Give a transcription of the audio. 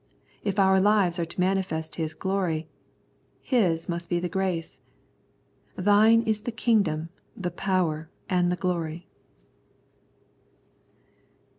If our lives are to manifest His glory, His must be the grace. " Thine is the kingdom, the power, and the glory."